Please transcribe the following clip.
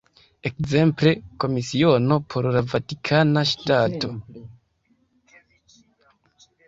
Ekzemple, Komisiono por la Vatikana Ŝtato.